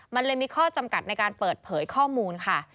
มันเลยมีข้อจำกัดในการเปิดเผยข้อมูลค่ะ